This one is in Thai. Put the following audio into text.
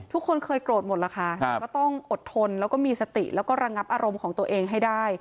ทุกคนเคยโกรธหมดแล้วค่ะก็ต้องอดทนแล้วก็มีสติแล้วก็ระงับอารมณ์ของตัวเองให้ได้